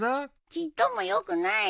ちっともよくないよ。